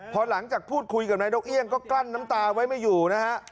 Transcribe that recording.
พอหลังจากพูดคุยกับนายนกเอี่ยงก็กลั้นน้ำตาไว้ไม่อยู่นะฮะ